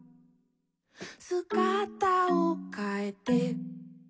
「すがたをかえて」